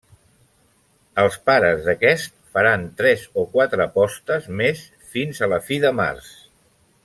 Els pares d’aquest faran tres o quatre postes més fins a la fi de març.